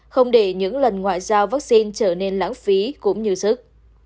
không để những lần ngoại giao vaccine trở nên lãng phí cũng như sức